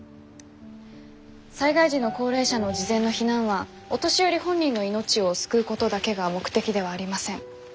災害時の高齢者の事前の避難はお年寄り本人の命を救うことだけが目的ではありません。